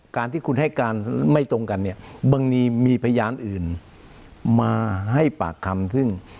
การที่คุณให้การไม่ตรงกันเนี่ยบางทีมีพยานอื่นมาให้ปากคำซึ่ง